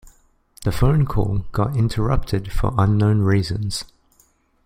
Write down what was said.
The phone call got interrupted for unknown reasons.